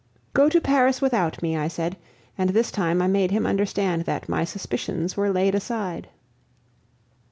"Go to Paris without me," I said, and this time I made him understand that my suspicions were laid aside.